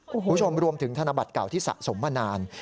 คุณผู้ชมรวมถึงธนบัตรเก่าที่สะสมมานาน